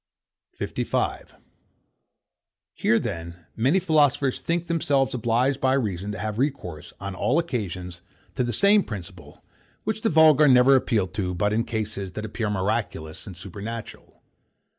[Greek: theos apo maechanaes.] 55. Here, then, many philosophers think themselves obliged by reason to have recourse, on all occasions, to the same principle, which the vulgar never appeal to but in cases that appear miraculous and supernatural.